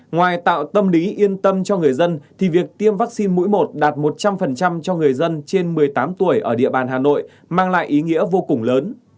ngoài tạo tâm lý yên tâm cho người dân thì việc tiêm vaccine mũi một đạt một trăm linh cho người dân trên một mươi tám tuổi ở địa bàn hà nội mang lại ý nghĩa vô cùng lớn